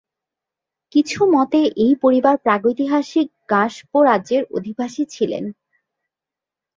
কিছু মতে এই পরিবার প্রাগৈতিহাসিক ঙ্গাস-পো রাজ্যের অধিবাসী ছিলেন।